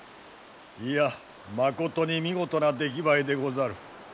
いやまことに見事な出来栄えでござる。